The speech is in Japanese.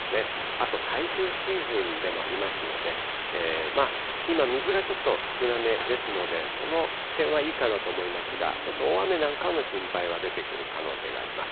あと、台風シーズンでもありますので、まあ、今、水がちょっと少なめですので、その点はいいかなと思いますが、ちょっと大雨なんかの心配は出てくる可能性があります。